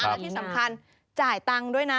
และที่สำคัญจ่ายตังค์ด้วยนะ